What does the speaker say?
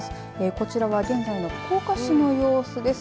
こちらは現在の福岡市の様子です。